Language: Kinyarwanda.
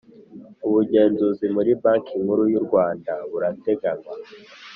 ubugenzuzi muri banki nkuru y'u rwanda burateganywa